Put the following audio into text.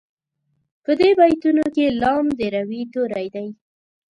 په دې بیتونو کې لام د روي توری دی.